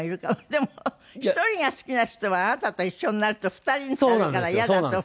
でも１人が好きな人はあなたと一緒になると２人になるからイヤだと？